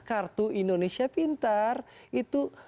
kartu indonesia pintar itu